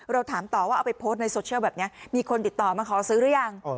เราถามต่อว่าเอาไปแบบนี้มีคนติดต่อมาขอซื้อหรือยัง